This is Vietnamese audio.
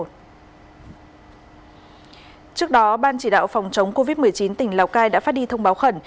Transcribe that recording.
trước đó ban chỉ đạo phòng chống covid một mươi chín tỉnh lào cai đã phát đi thông báo khẩn